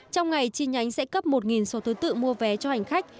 trong ngày chi nhánh sẽ cấp một số thứ tự mua vé cho hành khách